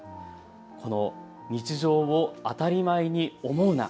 この日常を当たり前に思うな。